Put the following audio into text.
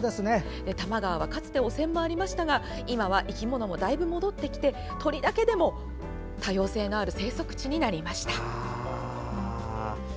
多摩川はかつて汚染もありましたが今は生き物もだいぶ戻ってきて鳥だけでも多様性のある生息地になりました。